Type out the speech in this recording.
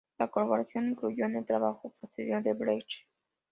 La colaboración influyó en el trabajo posterior de Brecht.